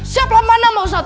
siap lah mana pak ustaz